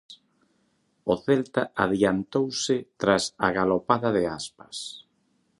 O Celta adiantouse tras a galopada de Aspas.